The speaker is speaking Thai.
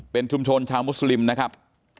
เป็นชุมชนชาวมุสลิมนะครับ